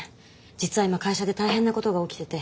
実は今会社で大変なことが起きてて。